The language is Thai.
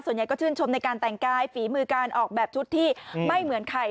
ส่วนใหญ่ก็ชื่นชมในการแต่งกายฝีมือการออกแบบชุดที่ไม่เหมือนใคร